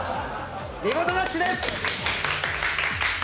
見事マッチです！